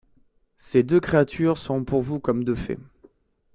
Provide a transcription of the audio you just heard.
Ces deux créatures seront pour vous comme deux fées.